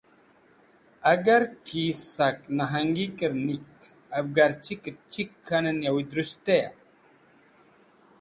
Agar ki sak Nahnagikẽr “nik” , Avgarchikẽr “chik” k̃hanẽn yawi drust teya?